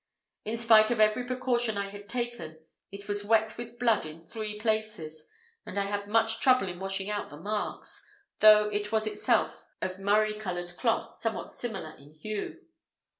In spite of every precaution I had taken, it was wet with blood in three places, and I had much trouble in washing out the marks, though it was itself of murrey coloured cloth, somewhat similar in hue.